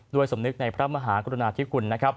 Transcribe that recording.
โดยสมนึกในพระมหากุรรณาชิคกุล